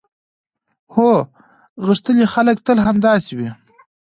هو، غښتلي خلک تل همداسې وي.